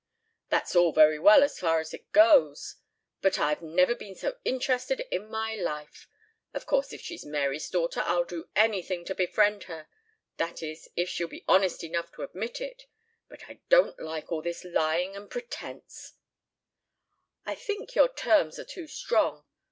"That's all very well as far as it goes, but I've never been so interested in my life. Of course if she's Mary's daughter I'll do anything to befriend her that is if she'll be honest enough to admit it. But I don't like all this lying and pretence " "I think your terms are too strong.